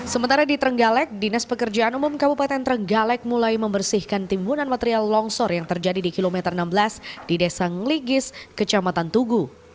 sementara di trenggalek dinas pekerjaan umum kabupaten trenggalek mulai membersihkan timbunan material longsor yang terjadi di kilometer enam belas di desa ngeligis kecamatan tugu